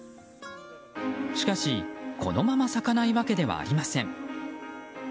しかし、このまま咲かないわけではありません。